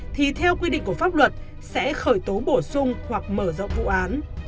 thì theo quy định của pháp luật sẽ khởi tố bổ sung hoặc mở rộng vụ án